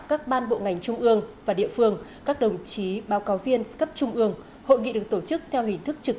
các ban bộ ngành trung ương và địa phương các đồng chí báo cáo viên cấp trung ương hội nghị được tổ chức